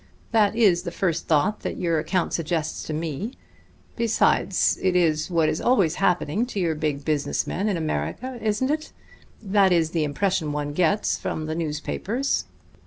That is the first thought that your account suggests to me. Besides, it is what is always happening to your big business men in America, isn't it? That is the impression one gets from the newspapers."